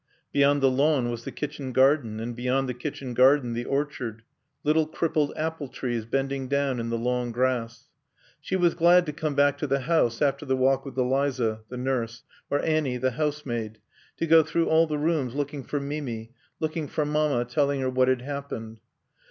Beyond the lawn was the kitchen garden, and beyond the kitchen garden the orchard; little crippled apple trees bending down in the long grass. She was glad to come back to the house after the walk with Eliza, the nurse, or Annie, the housemaid; to go through all the rooms looking for Mimi; looking for Mamma, telling her what had happened.